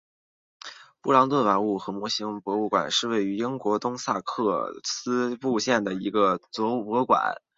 布莱顿玩具和模型博物馆是位于英国东萨塞克斯郡城市布莱顿的一座博物馆。